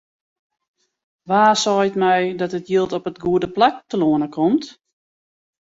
Wa seit my dat it jild op it goede plak telâne komt?